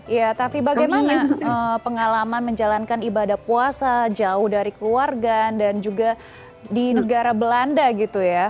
ya tapi bagaimana pengalaman menjalankan ibadah puasa jauh dari keluarga dan juga di negara belanda gitu ya